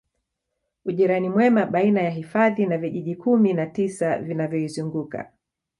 Ujirani mwema baina ya hifadhi na vijiji Kumi na tisa vinavyoizunguka